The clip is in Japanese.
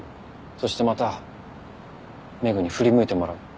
そしてまた廻に振り向いてもらう。